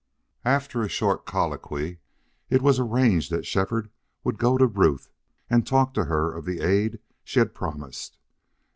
After a short colloquy it was arranged that Shefford would go to Ruth and talk to her of the aid she had promised.